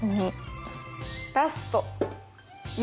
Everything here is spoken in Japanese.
ラスト４。